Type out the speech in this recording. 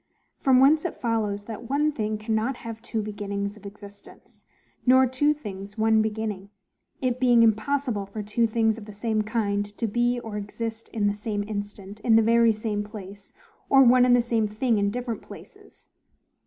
From whence it follows, that one thing cannot have two beginnings of existence, nor two things one beginning; it being impossible for two things of the same kind to be or exist in the same instant, in the very same place; or one and the same thing in different places.